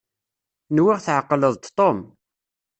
Nwiɣ tɛeqleḍ-d Tom.